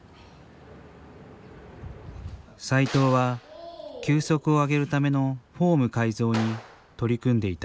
斎藤は、球速を上げるためのフォーム改造に取り組んでいた。